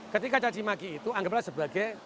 ketika dicaci dimaki itu anggaplah sebagai